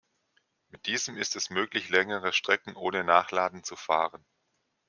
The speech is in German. Mit diesem ist es möglich, längere Strecken ohne Nachladen zu fahren.